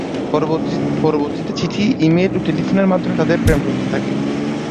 পরবর্তীতে চিঠি, ই-মেইল ও টেলিফোনের মাধ্যমে তাদের প্রেম চলতে থাকে।